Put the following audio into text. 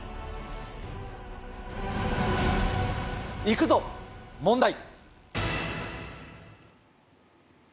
行くぞ問題。